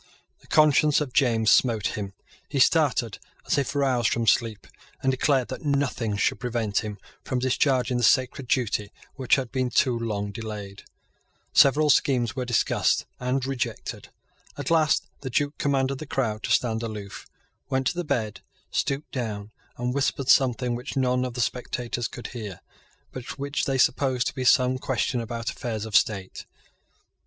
The conscience of James smote him. He started as if roused from sleep, and declared that nothing should prevent him from discharging the sacred duty which had been too long delayed. Several schemes were discussed and rejected. At last the Duke commanded the crowd to stand aloof, went to the bed, stooped down, and whispered something which none of the spectators could hear, but which they supposed to be some question about affairs of state.